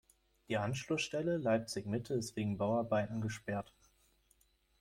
Die Anschlussstelle Leipzig-Mitte ist wegen Bauarbeiten gesperrt.